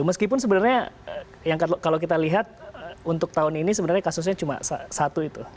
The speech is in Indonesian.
meskipun sebenarnya yang kalau kita lihat untuk tahun ini sebenarnya kasusnya cuma satu itu